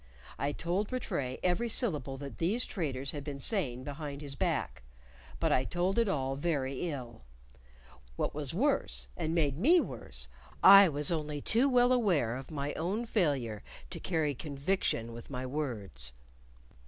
I told Rattray every syllable that these traitors had been saying behind his back, but I told it all very ill; what was worse, and made me worse, I was only too well aware of my own failure to carry conviction with my words.